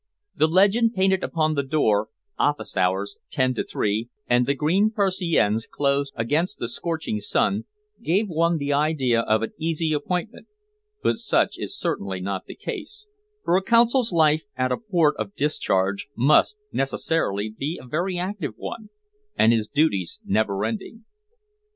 The legend painted upon the door, "Office hours, 10 to 3," and the green persiennes closed against the scorching sun give one the idea of an easy appointment, but such is certainly not the case, for a Consul's life at a port of discharge must necessarily be a very active one, and his duties never ending.